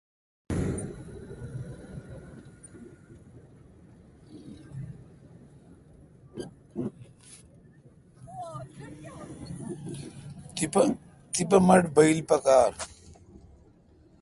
تپہ مٹھ بایل پکار۔